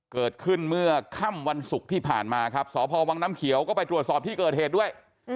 เกิดขึ้นเมื่อค่ำวันศุกร์ที่ผ่านมาครับสพวังน้ำเขียวก็ไปตรวจสอบที่เกิดเหตุด้วย